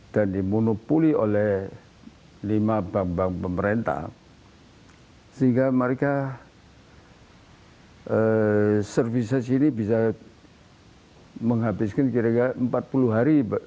dan dimunipuli oleh lima bank bank pemerintah sehingga mereka servisasi ini bisa menghabiskan kira kira empat puluh hari